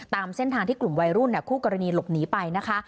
ตามเส้นทางที่กลุ่มวัยรุ่นคู่กรณีหลบหนีไปนะคะ